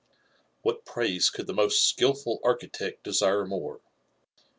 What praise could the most skilful architect desire more?